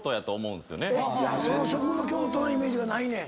その食の京都のイメージがないねん。